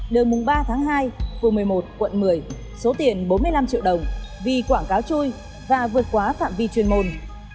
đường mùng ba tháng hai phường một mươi một quận một mươi số tiền bốn mươi năm triệu đồng vì quảng cáo chui và vượt quá phạm vi chuyên môn